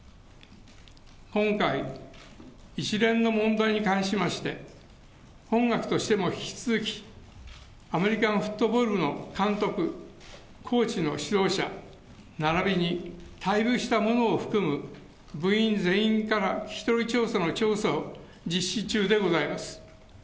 今回、一連の問題に関しまして、本学としても引き続き、アメリカンフットボール部の監督、コーチの指導者、ならびに退部した者を含む部員全員から聞き取り調査の調査を実施中でございます。